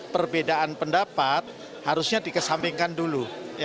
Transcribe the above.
perbedaan pendapat harusnya dikesampingkan dulu